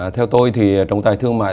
theo tôi thì trọng tài thương mại